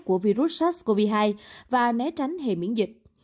của virus sars cov hai và né tránh hề miễn dịch